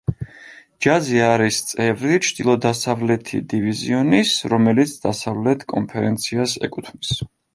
ჯაზი არის წევრი ჩრდილო-დასავლეთი დივიზიონის, რომელიც დასავლეთ კონფერენციას ეკუთვნის.